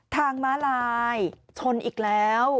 ม้าลายชนอีกแล้ว